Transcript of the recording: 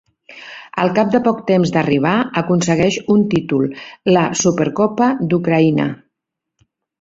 Al cap de poc temps d'arribar aconsegueix un títol, la Supercopa d'Ucraïna.